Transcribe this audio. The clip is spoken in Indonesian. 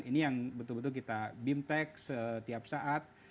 ini yang betul betul kita bimtek setiap saat